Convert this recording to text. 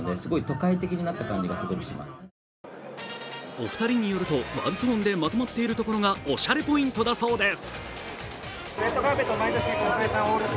お二人によるとワントーンでまとまっているところがおしゃれポイントだそうです。